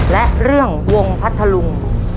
และเรื่องวงพัทธลุง